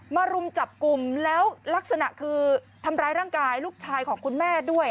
รุมจับกลุ่มแล้วลักษณะคือทำร้ายร่างกายลูกชายของคุณแม่ด้วย